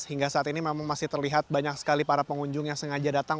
hingga saat ini memang masih terlihat banyak sekali para pengunjung yang sengaja datang